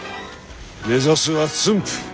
目指すは駿府！